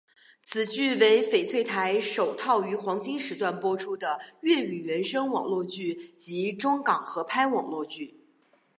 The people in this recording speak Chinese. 此剧为翡翠台首套于黄金时段播出的粤语原声网络剧及中港合拍网络剧。